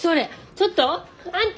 ちょっとあんた！